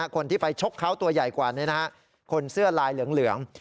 คนที่ไปชกเขาตัวใหญ่กว่านี้คนเสื้อลายเหลือง